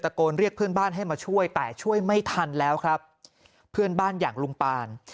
โกนเรียกเพื่อนบ้านให้มาช่วยแต่ช่วยไม่ทันแล้วครับเพื่อนบ้านอย่างลุงปาน